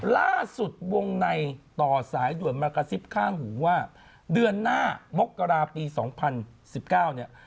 ล่าสุดวงในต่อสายด่วนมากระซิบข้างหูว่าเดือนหน้ามกราปี๒๐๑๙เนี่ย